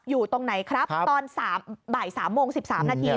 อยู่ตรงไหนครับตอนบ่าย๓โมง๑๓นาที